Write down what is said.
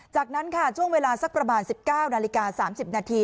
จากนั้นค่ะช่วงเวลาสักประมาณ๑๙นาฬิกา๓๐นาที